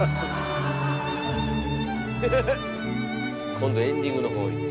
今度エンディングの方いった。